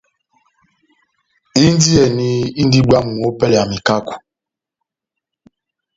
Indiyɛni indi bwámu ópɛlɛ ya mekako.